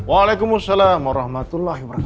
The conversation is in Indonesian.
waalaikumsalam warahmatullahi wabarakatuh